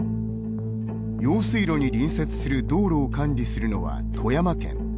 用水路に隣接する道路を管理するのは富山県。